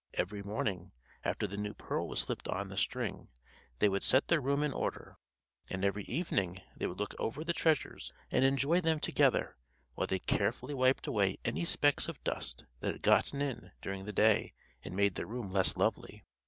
Every morning, after the new pearl was slipped on the string, they would set the room in order; and every evening they would look over the treasures and enjoy them together, while they carefully wiped away any specks of dust that had gotten in during the day and made the room less lovely.